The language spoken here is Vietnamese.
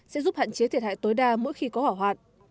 sẽ giúp hạn chế thiệt hại tối đa mỗi khi có hỏa hoạn